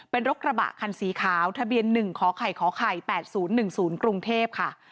เป็นรถกระบะคันสีขาวทะเบียน๑ขอไข่ขไข่๘๐๑๐กรุงเทพค่ะ